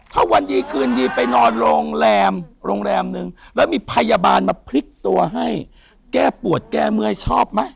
ถ้าวันดีคืนดีไปนอนโรงแรมโรงแรมนึงแล้วมีพยาบาลมาพลิกตัวให้แก้ปวดแก้เมื่อยชอบไหม